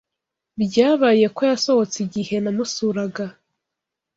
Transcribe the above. Byabaye ko yasohotse igihe namusuraga.